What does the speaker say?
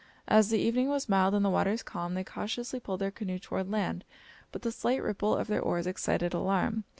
As the evening was mild and the waters calm, they cautiously pulled their canoe toward land, but the slight ripple of their oars excited alarm.